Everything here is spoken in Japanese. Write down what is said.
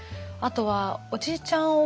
あとはおじいちゃん